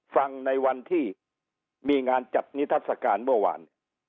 ฟังในวันที่มีงานจัดนิทัศกาลเมื่อวาน